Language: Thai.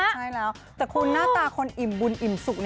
ใช่แล้วแต่คุณหน้าตาคนอิ่มบุญอิ่มสุข